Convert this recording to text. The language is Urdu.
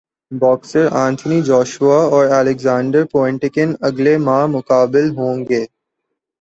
باکسر انتھونی جوشوا اور الیگزینڈر پویٹکن اگلے ماہ مقابل ہوں گے